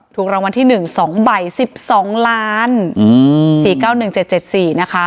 ถูกรางวัลที่๑สองใบ๑๒ล้านสี่เก้าหนึ่งเจ็ดเจ็ดสี่นะคะ